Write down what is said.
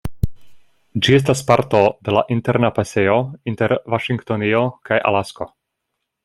Ĝi estas parto de la Interna Pasejo inter Vaŝingtonio kaj Alasko.